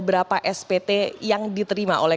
berapa spt yang diterima oleh